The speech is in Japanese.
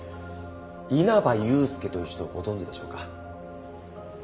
稲葉祐介という人をご存じでしょうか？